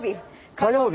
火曜日。